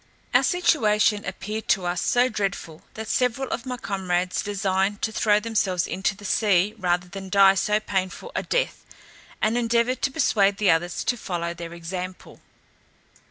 Our situation appeared to us so dreadful, that several of my comrades designed to throw themselves into the sea, rather than die so painful a death; and endeavoured to persuade the others to follow their example.